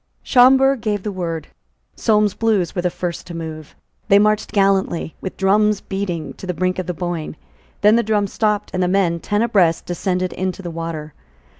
Schomberg gave the word. Solmes's Blues were the first to move. They marched gallantly, with drums beating, to the brink of the Boyne. Then the drums stopped; and the men, ten abreast, descended into the water.